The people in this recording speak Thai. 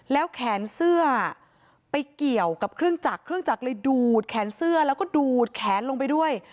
แล้วแขนเสื้อไปเกี่ยวกับเครื่องจักรเครื่องจักรเลยดูดแขนเสื้อแล้วก็ดูดแขนลงไปด้วย